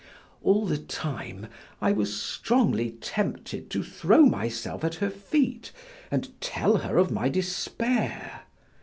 All the time I was strongly tempted to throw myself at her feet, and tell her of my despair.